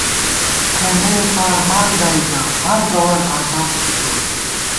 کھنڈَئےفار مال گائیکاں ہَر گوَر ازاد تھی تول